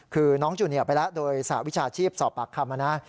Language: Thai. คือน้องจูเนียไปแล้วโดยสหวิชาชีพสอบปากคำนะ